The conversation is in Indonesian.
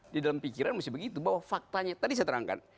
di dalam pikiran mesti begitu bahwa faktanya tadi saya terangkan